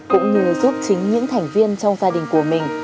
cũng như giúp chính những thành viên trong gia đình của mình